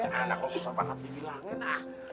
kenapa kok susah banget dibilangin